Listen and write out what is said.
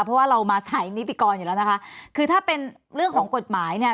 เพราะว่าเรามาใส่นิติกรอยู่แล้วนะคะคือถ้าเป็นเรื่องของกฎหมายเนี่ย